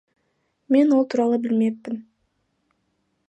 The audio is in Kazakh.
Мен ол туралы білмеппін.